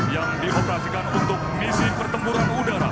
yang dioperasikan untuk misi pertempuran udara